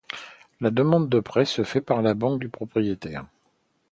La demande de prêt se fait par la banque du propriétaire.